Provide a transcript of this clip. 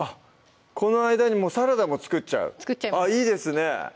この間にもうサラダも作っちゃうあっいいですね